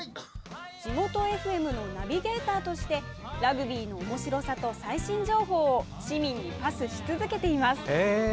地元ＦＭのナビゲーターとしてラグビーのおもしろさと最新情報を市民にパスし続けています。